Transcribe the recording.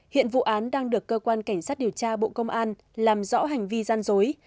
hiện vụ án đang được cơ quan cảnh sát điều tra bộ công an làm rõ hành vi gian dối